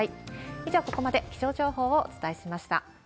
以上、ここまで気象情報をお伝えしました。